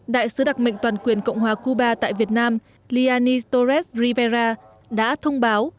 đại sứ đặc mệnh toàn quyền cộng hòa cuba tại việt nam lianis torres rivera đã thông báo